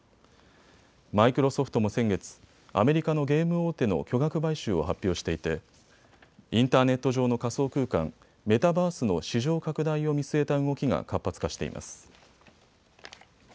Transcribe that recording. マイクロソフトも先月、アメリカのゲーム大手の巨額買収を発表していてインターネット上の仮想空間、メタバースの市場拡大を見据えた動きが活発化しています。